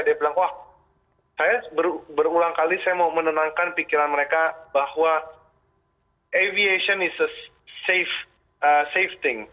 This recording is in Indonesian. dia bilang wah saya berulang kali saya mau menenangkan pikiran mereka bahwa aviation is is safe safething